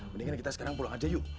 mendingan kita sekarang pulang aja yuk